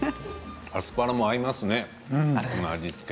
アスパラも合いますね。